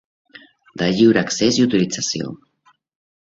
De lliure accés i utilització.